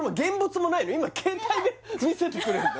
今携帯で見せてくれんの？